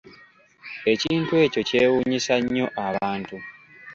Ekintu ekyo kyewuunyisa nnyo abantu.